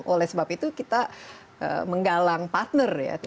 oleh sebab itu kita menggalang partner ya